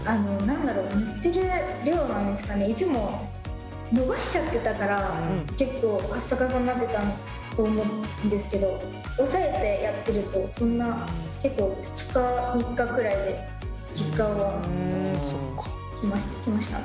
何だろう塗ってる量なんですかねいつも伸ばしちゃってたから結構カッサカサになってたと思うんですけど押さえてやってるとそんな結構２日３日くらいで実感はきました。